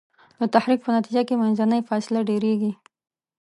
د تحرک په نتیجه کې منځنۍ فاصله ډیریږي.